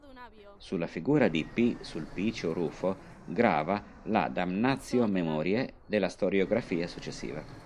Sulla figura di P. Sulpicio Rufo grava la “"damnatio memoriae"” della storiografia successiva.